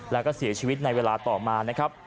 แล้วก็เสียชีวิตในเวลาต่อมานะครับ